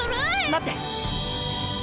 待って。